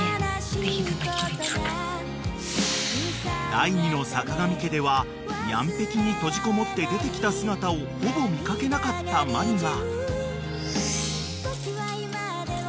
［第２のさかがみ家ではにゃん壁に閉じこもって出てきた姿をほぼ見掛けなかったマリが］